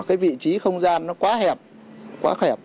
cái vị trí không gian nó quá hẹp quá khẹp